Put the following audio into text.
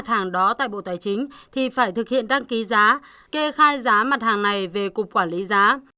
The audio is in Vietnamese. tại bộ tài chính thì phải thực hiện đăng ký giá kê khai giá mặt hàng này về cục quản lý giá